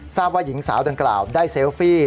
ทราบว่าหญิงสาวดังกล่าวได้เซลฟี่